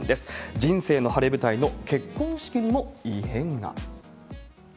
人生の晴れ舞台の結婚式にも異変が。